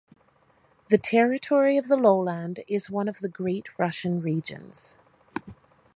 The territory of the lowland is one of the Great Russian Regions.